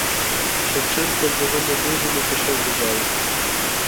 Шевченко з новими друзями пішов до зали.